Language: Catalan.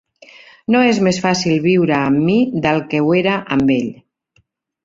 No és més fàcil viure amb mi del què ho era amb ell.